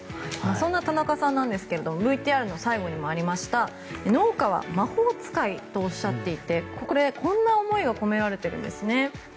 そんな田中さんなんですがＶＴＲの最後にもありましたが農家は魔法使いとおっしゃっていてこれはこんな思いが込められているんですね。